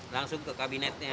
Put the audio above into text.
langsung ke kabinetnya